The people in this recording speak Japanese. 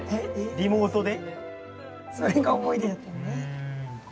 リモートで？